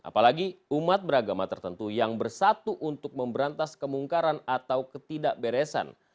apalagi umat beragama tertentu yang bersatu untuk memberantas kemungkaran atau ketidakberesan